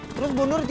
karena tadi itu